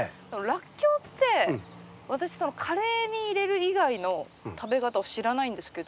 ラッキョウって私カレーに入れる以外の食べ方を知らないんですけど。